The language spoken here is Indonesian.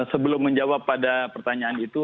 sebelum menjawab pada pertanyaan itu